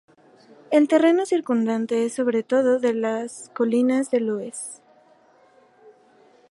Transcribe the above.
El terreno circundante es sobre todo de colinas de loes.